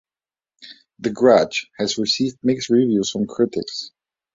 "The Grudge" has received mixed reviews from critics.